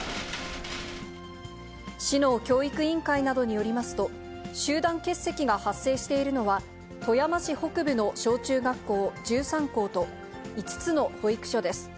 市の教育委員会などによりますと、集団欠席が発生しているのは、富山市北部の小中学校１３校と、５つの保育所です。